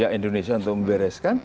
pihak indonesia untuk membereskan